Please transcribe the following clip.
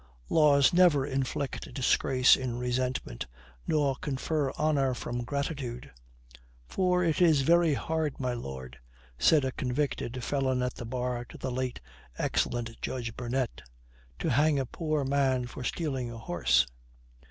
Laws never inflict disgrace in resentment, nor confer honor from gratitude. "For it is very hard, my lord," said a convicted felon at the bar to the late excellent judge Burnet, "to hang a poor man for stealing a horse."